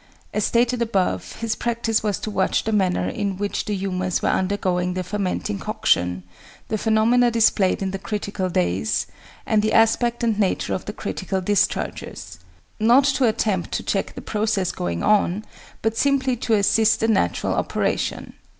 As stated above, his practice was to watch the manner in which the humours were undergoing their fermenting coction, the phenomena displayed in the critical days, and the aspect and nature of the critical discharges not to attempt to check the process going on, but simply to assist the natural operation.